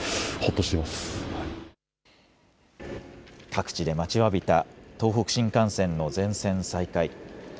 各地で待ちわびた東北新幹線の全線再開。